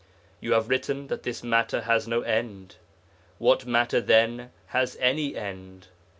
You have written that this matter has no end. What matter, then, has any end?